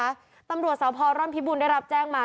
ตำรวจสพร่อนพิบุญได้รับแจ้งมา